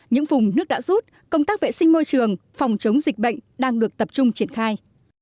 những vùng nước đã rút công tác vệ sinh môi trường phòng chống dịch bệnh đang được tập trung triển khai